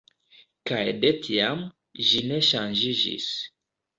Kaj de tiam, ĝi ne ŝanĝiĝis.